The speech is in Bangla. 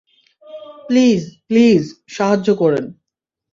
প্লিজ, প্লিজ, সাহায্য করেন।